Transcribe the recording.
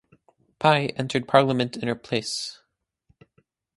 Pi entered parliament in her place.